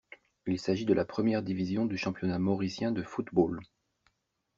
Il s'agit de la première division du championnat mauricien de football.